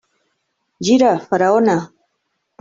Gira, Faraona!